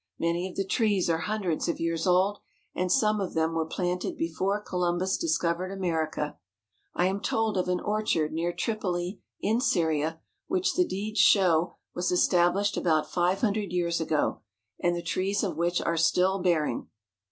Many of the trees are hundreds of years old, and some of them were planted before Columbus discovered Amer ica. I am told of an orchard near Tripoli, in Syria, which the deeds show was established about five hundred years ago, and the trees of which are still bearing.